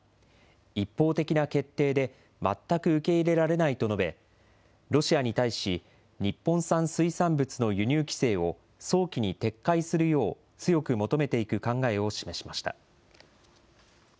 一方的な決定で、全く受け入れられないと述べ、ロシアに対し、日本産水産物の輸入規制を早期に撤回するよう強く求めていく考えを示しました。